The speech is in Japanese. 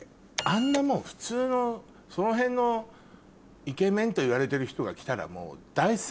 あんなもん普通のその辺のイケメンといわれてる人が着たらもう。